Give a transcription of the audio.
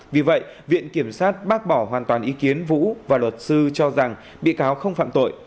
vì vậy viện kiểm sát bác bỏ hoàn toàn ý kiến vũ và luật sư cho rằng bị cáo không phạm tội